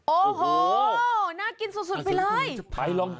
โอ้โห